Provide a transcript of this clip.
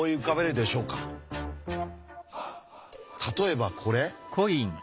例えばこれ？